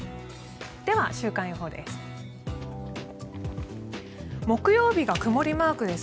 では、週間予報です。